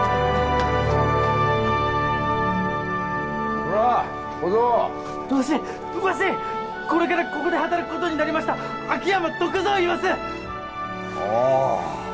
コラ小僧わしわしこれからここで働くことになりました秋山篤蔵いいますああ